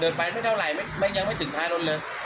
พอเดินไปไม่ต้องเท่าไหร่ยังไม่ถึงท้ายโน้นเลย